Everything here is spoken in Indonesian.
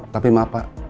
tapi maaf pak